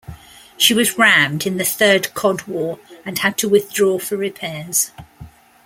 She was rammed in the Third Cod War and had to withdraw for repairs.